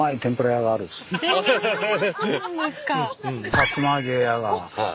さつま揚げ屋が。